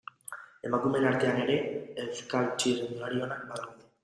Emakumeen artean ere, Euskal txirrindulari onak badaude.